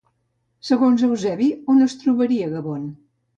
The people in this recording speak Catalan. Segons Eusebi, on es trobaria Gabaon?